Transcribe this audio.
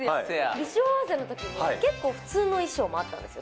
衣装合わせのときに、結構、普通の衣装もあったんですよ。